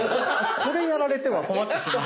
これやられては困ってしまう。